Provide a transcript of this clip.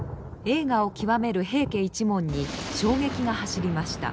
栄華を極める平家一門に衝撃が走りました。